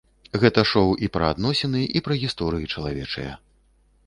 Гэта шоу і пра адносіны, і пра гісторыі чалавечыя.